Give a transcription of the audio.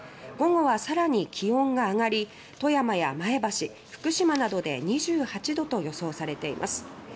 午後はさらに気温が上がり富山や前橋、福島などで２８度が予想されています。